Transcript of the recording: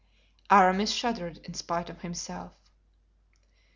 Aramis shuddered in spite of himself.